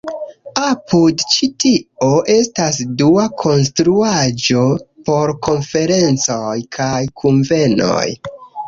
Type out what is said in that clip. Apud ĉi-tio estas dua konstruaĵo por konferencoj kaj kunvenoj.